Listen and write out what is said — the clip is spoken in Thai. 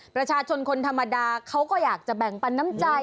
ประชาชนคนธรรมดาเขาก็อยากจะแบ่งปันน้ำใจ